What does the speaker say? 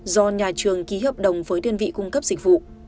do nhà trường ký hợp đồng với đơn vị cung cấp dịch vụ